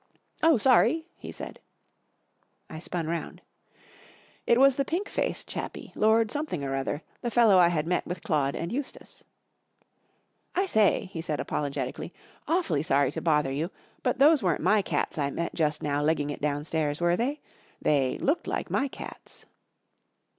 44 Oh, sorry !" he said. I spun round. It was the pink faced chappie, Lord Something or other, the fellow I had met with Claude and Eustace. 44 I say," he said, apologetically, " awfully sorry to bother you, but those weren't my cats I met just now legging it downstairs, were they ? They looked like my cats."